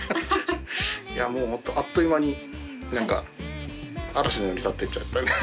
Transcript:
あっという間に何か嵐のように去っていっちゃった。